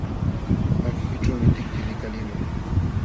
Makiykićhuumi tikti likaliqlun.